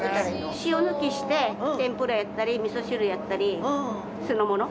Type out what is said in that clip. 塩抜きして、天ぷらやったり味噌汁やったり、酢の物。